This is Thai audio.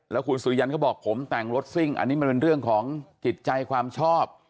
แล้วคุณสุริยันเขาบอกผมแต่งรถซิ่งอันนี้มันเป็นเรื่องของจิตใจความชอบ